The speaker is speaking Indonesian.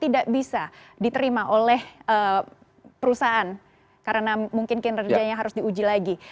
tidak bisa diterima oleh perusahaan karena mungkin kinerjanya harus diuji lagi